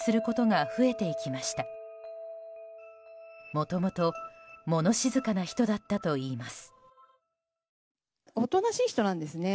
もともと物静かな人だったといいます。